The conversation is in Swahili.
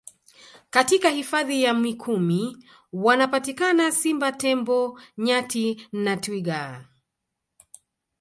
Katika Hifadhi ya Mikumi wanapatikana Simba Tembo Nyati na Twiga